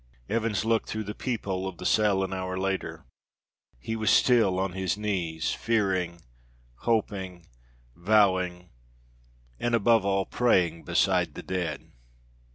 Evans looked through the peep hole of the cell an hour later. He was still on his knees fearing, hoping, vowing, and, above all, praying beside the dead.